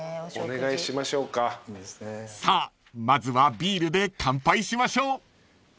［さあまずはビールで乾杯しましょう］